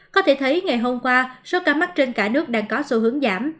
có thể thấy ngày hôm qua số ca mắc trên cả nước đang có xu hướng giảm